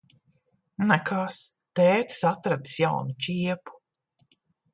Nekas. Tētis atradis jaunu čiepu.